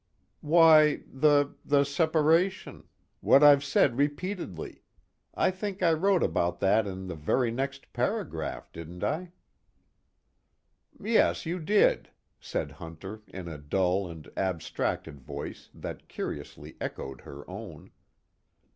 "Why, the the separation what I've said repeatedly I think I wrote about that in the very next paragraph, didn't I?" "Yes, you did," said Hunter in a dull and abstracted voice that curiously echoed her own.